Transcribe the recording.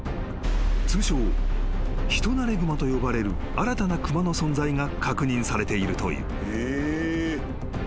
［通称人慣れグマと呼ばれる新たな熊の存在が確認されているという］